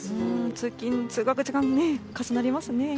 通勤・通学時間に重なりますね。